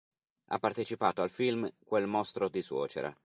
Ha partecipato al film "Quel mostro di suocera".